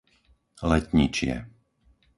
Letničie